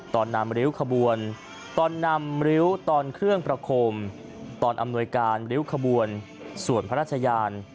ตอนนำริ้วขบวนตอนนำริ้วตอนเครื่องประโคมตอนอำนวยการริ้วขบวนส่วนพระราชยาน